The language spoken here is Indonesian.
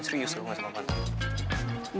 serius lo gak sama mantan